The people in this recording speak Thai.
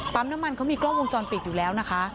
น้ำมันเขามีกล้องวงจรปิดอยู่แล้วนะคะ